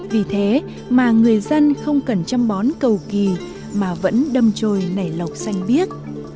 vì thế mà người dân không cần chăm bón cầu kỳ mà vẫn đâm trồi nảy lọc xanh biếc